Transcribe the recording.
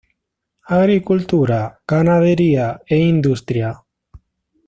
Agricultura, ganadería e industria.